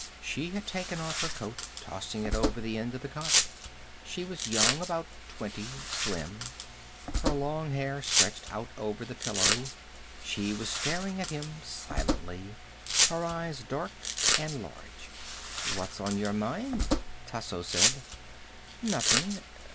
She had taken off her coat, tossing it over the end of the cot. She was young, about twenty. Slim. Her long hair stretched out over the pillow. She was staring at him silently, her eyes dark and large. "What's on your mind?" Tasso said. "Nothing.